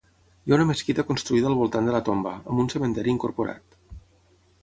Hi ha una mesquita construïda al voltant de la tomba, amb un cementiri incorporat.